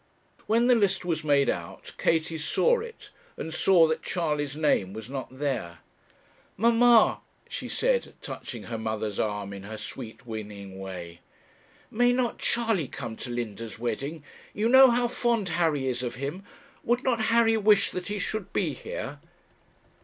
When the list was made out, Katie saw it, and saw that Charley's name was not there. 'Mamma,' she said, touching her mother's arm in her sweet winning way, 'may not Charley come to Linda's wedding? You know how fond Harry is of him: would not Harry wish that he should be here?'